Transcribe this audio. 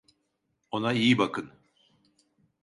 Ona iyi bakın.